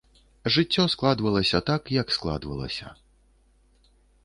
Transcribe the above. Жыццё складвалася так, як складвалася.